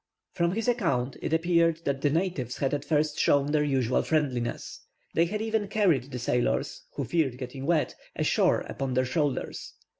"] From his account, it appeared that the natives had at first shown their usual friendliness. They had even carried the sailors, who feared getting wet, ashore upon their shoulders.